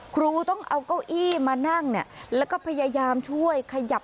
ครูต้องเอาเก้าอี้มานั่งเนี่ยแล้วก็พยายามช่วยขยับ